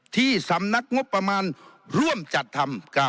ที่สำนักงบประมาณร่วมจัดทำ